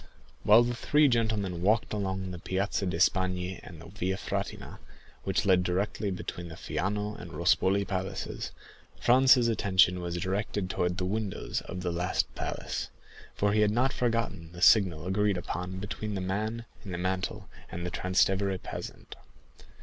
While the three gentlemen walked along the Piazza di Spagna and the Via Frattina, which led directly between the Fiano and Rospoli palaces, Franz's attention was directed towards the windows of that last palace, for he had not forgotten the signal agreed upon between the man in the mantle and the Transtevere peasant.